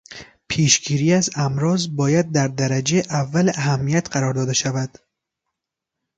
پیش گیری از امراض باید در درجهٔ اول اهمیت قرار داده شود.